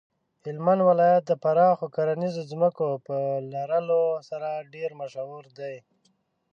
هلمند ولایت د پراخو کرنیزو ځمکو په لرلو سره ډیر مشهور دی.